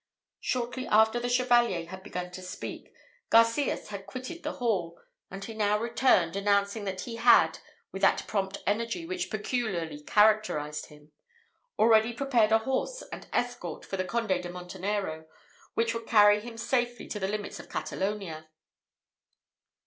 Shortly after the Chevalier had begun to speak, Garcias had quitted the hall, and he now returned, announcing that he had (with that prompt energy which peculiarly characterized him) already prepared a horse and escort for the Conde de Montenero, which would carry him safely to the limits of Catalonia.